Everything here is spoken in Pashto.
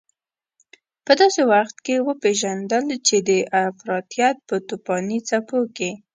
په داسې وخت کې وپېژندل چې د افراطيت په توپاني څپو کې.